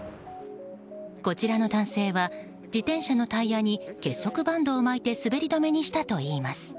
こちらの男性は自転車のタイヤに結束バンドを巻いて滑り止めにしたといいます。